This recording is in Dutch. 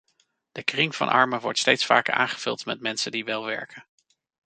De kring van armen wordt steeds vaker aangevuld met mensen die wel werken.